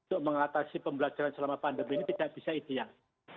untuk mengatasi pembelajaran selama pandemi ini tidak bisa ideal